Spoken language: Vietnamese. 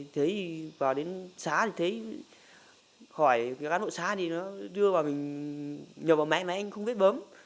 thế vào đến xá thì thấy khỏi cái gán độ xá thì nó đưa vào mình nhập vào máy máy anh không biết bấm